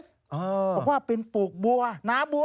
บอกว่าเป็นปลูกบัวหนาบัว